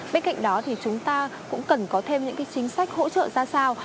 bên cạnh đó thì chúng ta cũng cần có thêm những chính sách hỗ trợ ra sao